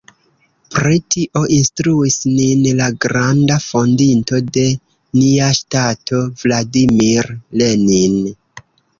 Pri tio instruis nin la granda fondinto de nia ŝtato Vladimir Lenin.